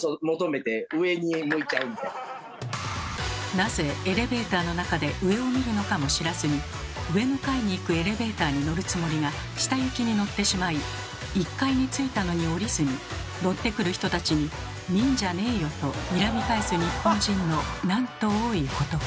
なぜエレベーターの中で上を見るのかも知らずに上の階に行くエレベーターに乗るつもりが下行きに乗ってしまい１階に着いたのに降りずに乗ってくる人たちに「見んじゃねーよ」とにらみ返す日本人のなんと多いことか。